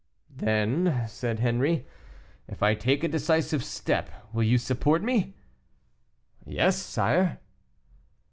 "Then," said Henri, "if I take a decisive step, you will support me?" "Yes, sire."